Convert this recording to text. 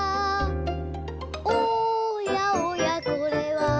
「おやおやこれは」